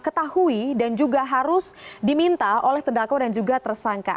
ketahui dan juga harus diminta oleh terdakwa dan juga tersangka